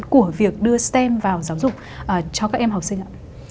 của việc đưa stem vào giáo dục cho các em học sinh ạ